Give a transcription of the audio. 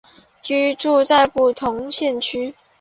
居住在不同县市